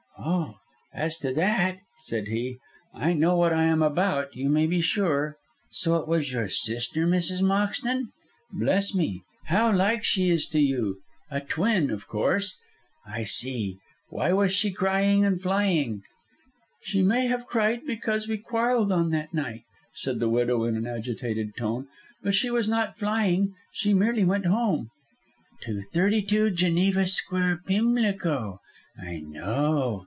"Oh, as to that," said he, "I know what I am about, you may be sure. So it was your sister, Mrs. Moxton? Bless me, how like she is to you; a twin, of course? I see. Why was she crying and flying?" "She may have cried because we quarrelled on that night," said the widow, in an agitated tone; "but she was not flying. She merely went home." "To thirty two Geneva Square, Pimlico? I know!